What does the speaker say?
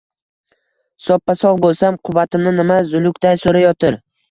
Soppa-sogʼ boʼlsam, quvvatimni nima zulukday soʼrayotir?